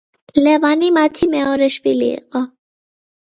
ლევანი მათი მეორე შვილი იყო.